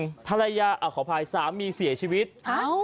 มีเกิดที่ภรรยาขอภัยสามีเสียชีวิตเอ้า